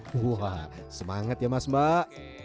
wah semangat ya mas mbak